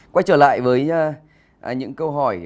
quay trở lại với những câu hỏi